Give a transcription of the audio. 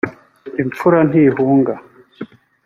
imfura ntihunga